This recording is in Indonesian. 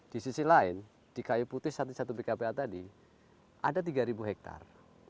di sisi lain di kayu putih satu satu bkpa tadi ada tiga ribu hektare